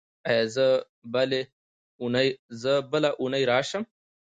ایا زه بلې اونۍ راشم؟